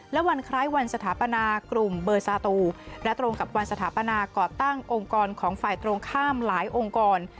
และวันคล้ายวันสถาปนากลุ่มเบอร์ซาตูและตรงกับวันสถาปนาก่อตั้งองค์กรของฝ่ายตรงข้ามหลายองค์กร